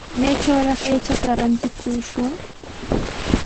¿Maytrawraq aychata rantikushwan?